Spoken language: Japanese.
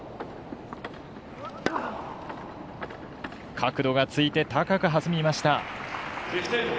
角度がついて高く弾みました。